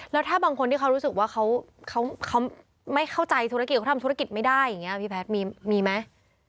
แล้วถ้าบางคนที่เขารู้สึกว่าเขาไม่เข้าใจธุรกิจเขาทำธุรกิจไม่ได้อย่างนี้พี่แพทย์มีไหม